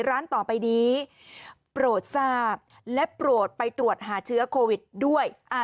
ร้านต่อไปนี้โปรดทราบและโปรดไปตรวจหาเชื้อโควิดด้วย